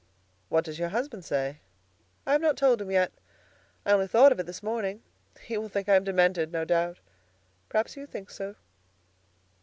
"What does your husband say?" "I have not told him yet. I only thought of it this morning. He will think I am demented, no doubt. Perhaps you think so."